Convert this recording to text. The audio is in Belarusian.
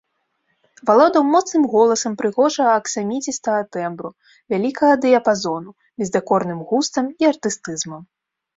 Валодаў моцным голасам прыгожага аксаміцістага тэмбру, вялікага дыяпазону, бездакорным густам і артыстызмам.